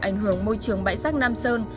ảnh hưởng môi trường bãi rác nam sơn